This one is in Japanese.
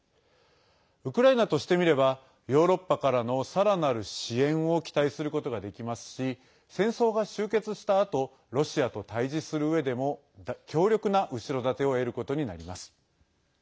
ウクライナとしてみればヨーロッパからのさらなる支援を期待することができますし戦争が終結したあとロシアと対じするうえでも強力な後ろ盾を得ることになります。